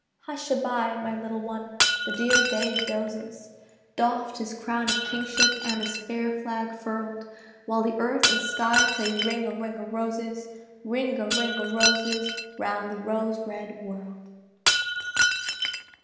Hush a bye, my little one, the dear day dozes, Doffed his crown of kingship and his fair flag furled, While the earth and sky play Ring a ring o' roses, Ring a ring o' roses round the rose red world.